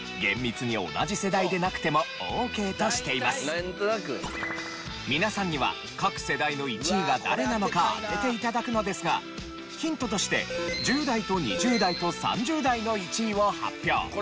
さらに皆さんには各世代の１位が誰なのか当てて頂くのですがヒントとして１０代と２０代と３０代の１位を発表。